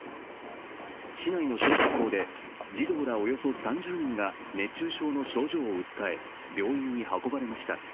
市内の小学校で児童らおよそ３０人が熱中症の症状を訴え、病院に運ばれました。